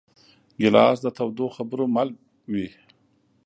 ګیلاس د تودو خبرو مل وي.